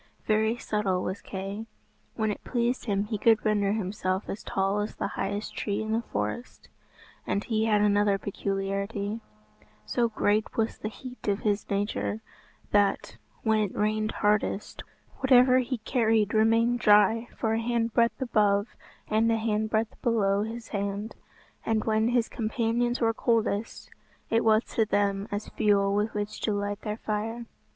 Very subtle was Kay. When it pleased him he could render himself as tall as the highest tree in the forest. And he had another peculiarity so great was the heat of his nature, that, when it rained hardest, whatever he carried remained dry for a handbreadth above and a handbreadth below his hand; and when his companions were coldest, it was to them as fuel with which to light their fire.